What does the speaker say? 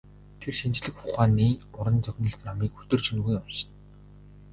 Тэр шинжлэх ухааны уран зөгнөлт номыг өдөр шөнөгүй уншина.